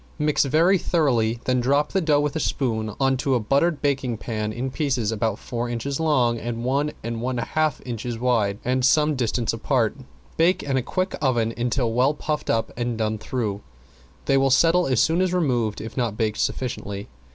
Mix very thoroughly, then drop the dough with a spoon on to a buttered baking pan in pieces about four inches long and one and one half inches wide and some distance apart. Bake in a quick oven until well puffed up and done through; they will settle as soon as removed if not baked sufficiently.